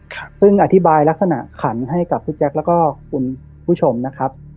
ครับซึ่งอธิบายลักษณะขันให้กับพี่แจ๊คแล้วก็คุณผู้ชมนะครับ